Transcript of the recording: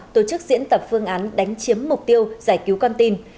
tổ chức diễn tập phương án đánh chiếm mục tiêu giải cứu con tim